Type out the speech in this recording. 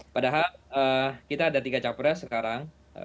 padahal kita ada tiga capres sekarang